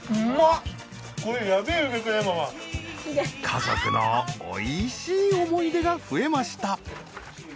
家族の美味しい思い出が増えました。